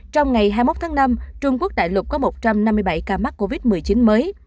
trong ngày hai mươi một tháng năm trung quốc đại lục có một trăm năm mươi bảy ca mắc covid một mươi chín mới